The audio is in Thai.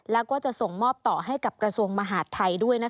แล้วก็จะส่งมอบต่อให้กับกระทรวงมหาดไทยด้วย